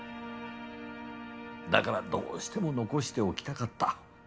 だからどうしても残しておきたかった。